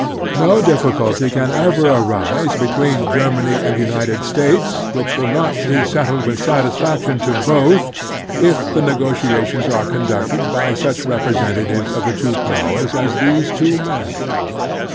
No difficulty can ever arise between Germany and the United States which will not be settled with satisfaction to both, if the negotiations are conducted by such representatives of the two powers as these two men.